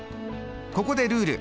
ここでルール！